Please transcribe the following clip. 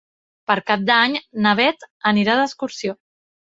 Per Cap d'Any na Bet anirà d'excursió.